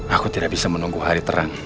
aku tidak bisa menunggu hari terang